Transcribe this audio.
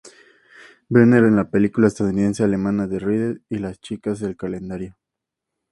Brenner en la película estadounidense-alemana, "The Reader" y "Las Chicas del Calendario".